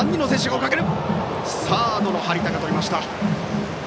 サードの張田がとりました。